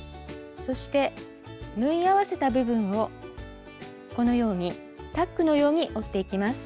そして縫い合わせた部分をこのようにタックのように折っていきます。